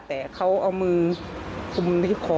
แต่เขาเอามือคุมที่คอ